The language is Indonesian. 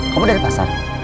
kamu dari pasar